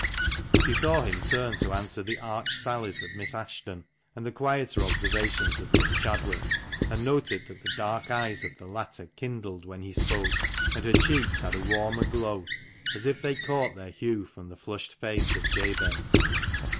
She saw him turn to answer the arch sallies of Miss Ashton, and the quieter observations of Miss Chadwick, and noted that the dark eyes of the latter kindled when he spoke, and her cheeks had a warmer glow, as if they caught their hue from the flushed face of Jabez.